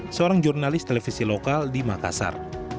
seorang jurnalis televisi lokal di makassar